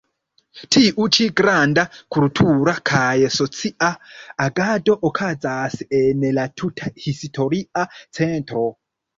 Tiu ĉi granda kultura kaj socia agado okazas en la tuta historia centro.